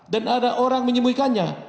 dan ada orang menyembuhkannya